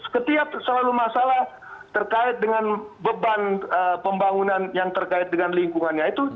setiap selalu masalah terkait dengan beban pembangunan yang terkait dengan lingkungannya itu